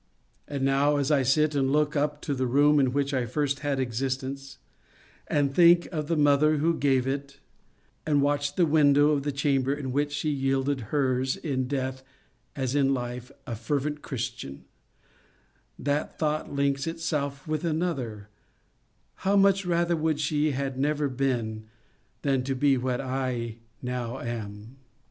And now, as I sit and look up to the room in which I first had existence, and think of the mother who gave it, and watch the window of the chamber in which she yielded hers, in death as in life a fervent Christian, that thought links itself with another, — how much rather would she I had never been, than to be what I now am.